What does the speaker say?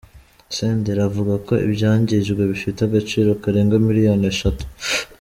Senderi avuga ko ibyangijwe bifite agaciro karenga miliyoni eshatu.